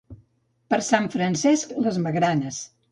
Per Sant Francesc, les magranes.